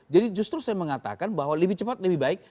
jadi justru saya mengatakan bahwa lebih cepat lebih baik